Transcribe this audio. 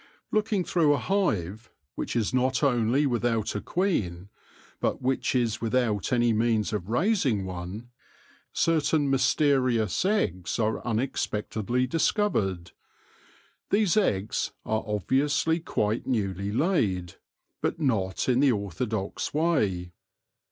Looking through a hive which is not only without a queen, but which is without any means of raising one, certain mysterious eggs are unexpectedly dis covered. These eggs are obviously quite newly laid, but not in the orthodox way.